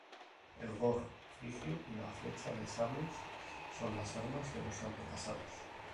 El gorro frigio y la flecha de sables son las armas de los antepasados.